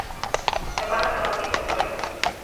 მდებარეობს ნორვეგიის ტერიტორიაზე.